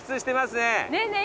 ねえねえ